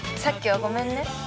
さっきはごめんね。